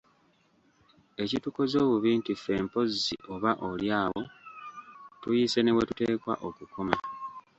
Ekitukoze obubi nti ffe mpozzi oba oli awo tuyise newetuteekwa okukoma.